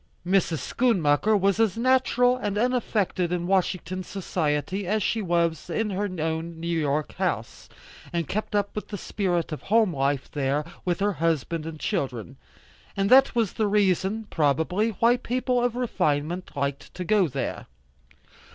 Mrs. Schoonmaker was as natural and unaffected in Washington society as she was in her own New York house, and kept up the spirit of home life there, with her husband and children. And that was the reason, probably, why people of refinement liked to go there.